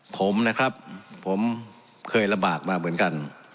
ผมนะครับผมเคยลำบากมาเหมือนกัน